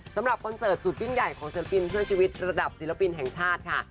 คอนเสิร์ตสุดยิ่งใหญ่ของศิลปินเพื่อชีวิตระดับศิลปินแห่งชาติค่ะ